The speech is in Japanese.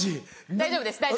大丈夫です。